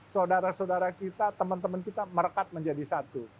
saudara saudara kita teman teman kita merekat menjadi satu